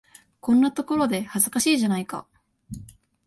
こんなところで、恥ずかしいじゃないか。